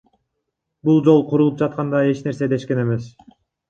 Бул жол курулуп жатканда да эч нерсе дешкен эмес.